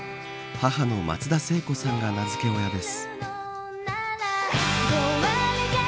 母の松田聖子さんが名付け親です。